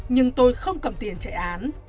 nhưng tôi không cầm tiền chạy án